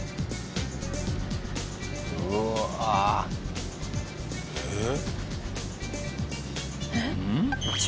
うわあ！えっ？